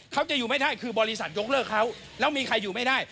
เขาจะอยู่ไม่ได้คือบริษัทยกเลิกเขาแล้วมีใครอยู่ไม่ได้